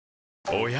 おや？